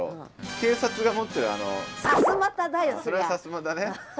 それは「さすまた」ね。